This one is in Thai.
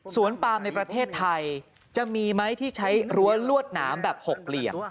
ปาล์ในประเทศไทยจะมีไหมที่ใช้รั้วลวดหนามแบบ๖เหลี่ยม